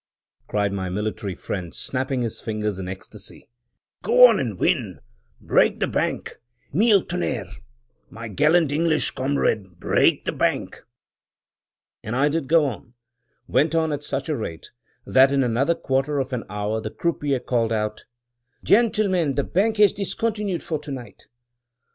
cried my military friend, snapping his fingers in ecstasy —"Go on, and win! Break the bank — Mille tonnerres! my gallant English comrade, break the bank!" And I did go on — went on at such a rate, that in another quarter of an hour the croupier called out, "Gentlemen, the bank has discontinued for to night."